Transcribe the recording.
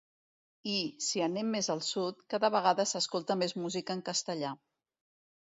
I, si anem més al sud, cada vegada s’escolta més música en castellà.